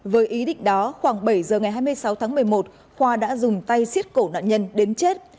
với ý định đó khoảng bảy giờ ngày hai mươi sáu tháng một mươi một khoa đã dùng tay xiết cổ nạn nhân đến chết